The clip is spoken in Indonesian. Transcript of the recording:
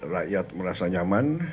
rakyat merasa nyaman